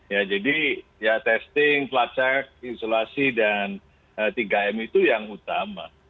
ya jadi ya testing pelacak isolasi dan tiga m itu yang utama